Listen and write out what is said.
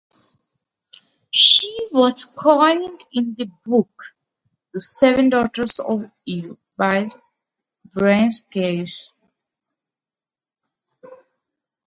She was coined in the book "The Seven Daughters of Eve" by Bryan Sykes.